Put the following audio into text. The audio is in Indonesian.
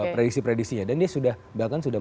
predisi predisinya dan dia sudah bahkan sudah